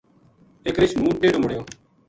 ایک رچھ نہوں ٹیڈو مڑیو